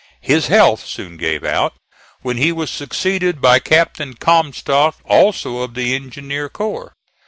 His health soon gave out, when he was succeeded by Captain Comstock, also of the Engineer Corps.